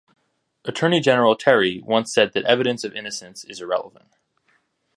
Attorney General Terry once said that Evidence of innocence is irrelevant.